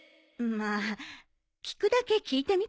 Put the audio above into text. まあ聞くだけ聞いてみたら？